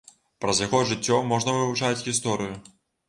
Праз яго жыццё можна вывучаць гісторыю.